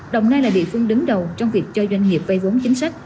đồng nai là địa phương đứng đầu trong việc cho doanh nghiệp vây vốn chính sách